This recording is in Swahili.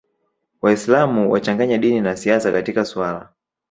Waislam wachanganye dini na siasa katika suala